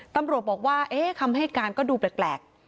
ตำรวจบอกว่าคำให้การก็ดูแปลก